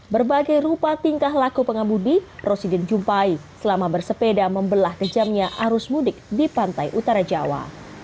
berbagai rupa tingkah laku pengemudi rosidin jumpai selama bersepeda membelah kejamnya arus mudik di pantai utara jawa